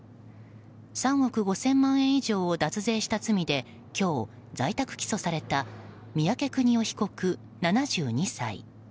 ３億５０００万円以上を脱税した罪で今日、在宅起訴された三宅邦夫被告、７２歳。